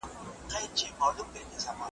ملنګه ! يو تسنيم په سخن فهمو پسې مړ شو .